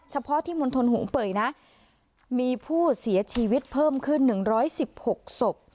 เฉพาะที่มณฑลหงเป่ยนะมีผู้เสียชีวิตเพิ่มขึ้น๑๑๖ศพ